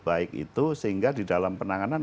baik itu sehingga di dalam penanganan